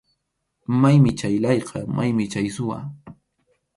Maymi chay layqa, maymi chay suwa.